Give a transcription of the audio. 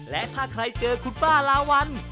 และถ้าใครเจอคุณป้าลาวัล